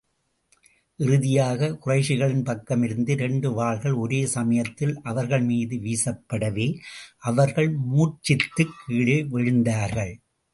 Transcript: இறுதியாக, குறைஷிகளின் பக்கமிருந்து இரண்டு வாள்கள் ஒரே சமயத்தில் அவர்கள் மீது வீசப்படவே, அவர்கள் மூர்ச்சித்துக் கீழே விழுந்தார்கள்.